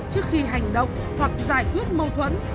trước khi hành động hoặc giải quyết mâu thuẫn